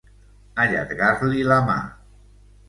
Allargar-li la mà.